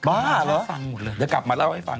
บ้าเหรอเดี๋ยวกลับมาเล่าให้ฟัง